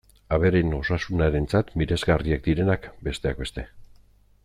Abereen osasunarentzat miresgarriak direnak, besteak beste.